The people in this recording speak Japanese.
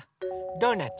ドーナツ？